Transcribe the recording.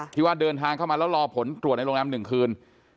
ที่ว่าเดินทางเข้ามาแล้วรอผลตรวจในโรงแรม๑คืน